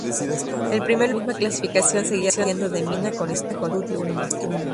El primer lugar de la misma clasificación seguía siendo de Mina con Studio Uno.